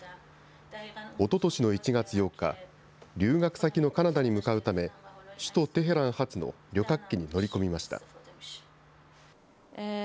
おととしの１月８日、留学先のカナダに向かうため、首都テヘラン発の旅客機に乗り込みました。